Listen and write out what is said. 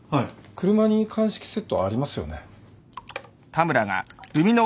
車に鑑識セットありますよね？